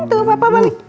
tuh papa balik